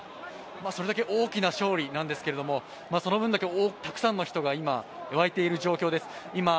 それだけ大きな勝利なんですけれども、その分だけ、たくさんの人が今、沸いている状況です。